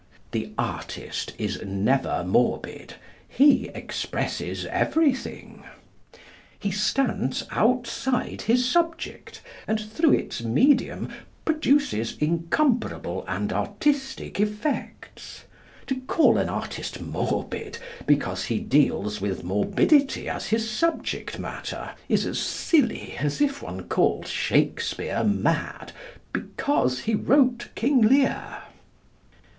The artist is never morbid. He expresses everything. He stands outside his subject, and through its medium produces incomparable and artistic effects. To call an artist morbid because he deals with morbidity as his subject matter is as silly as if one called Shakespeare mad because he wrote 'King Lear.